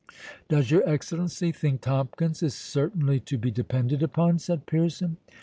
"Does your Excellency think Tomkins is certainly to be depended upon?" said Pearson.